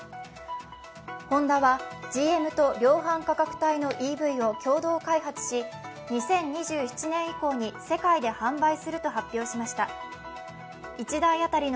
ホンダはＧＭと量販価格帯のＥＶを共同開発し２０２７年以降に世界で販売すると発表しました。